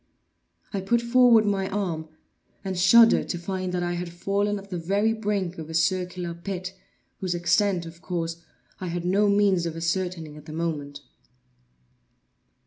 I put forward my arm, and shuddered to find that I had fallen at the very brink of a circular pit, whose extent, of course, I had no means of ascertaining at the moment.